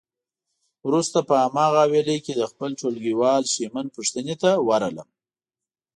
وروسته په هماغه حویلی کې د خپل ټولګیوال شېمن پوښتنه ته ورغلم.